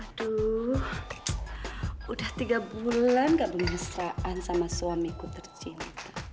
aduh udah tiga bulan nggak beresraan sama suamiku tercinta